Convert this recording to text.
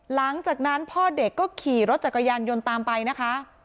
หลังจากนั้นพ่อเด็กก็ขี่รถจักรยานยนต์ตามไปนะคะ